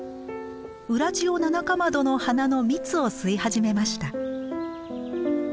ウラジオナナカマドの花の蜜を吸い始めました。